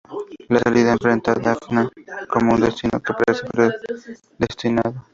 La salida enfrenta a Daphne con un destino que parece predestinado.